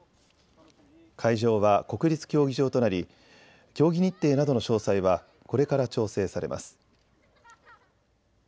会場は国立競技場となり、競技日程などの詳細はこれから調整されます。